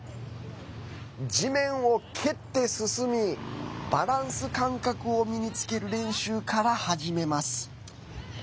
地面を蹴って進みバランス感覚を身に着ける練習から始めます。